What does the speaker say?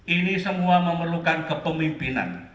ini semua memerlukan kepemimpinan